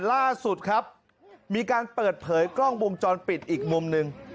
ล่าสุดครับมีการเปิดเผยกล้องวงจรปิดอีกมุมหนึ่ง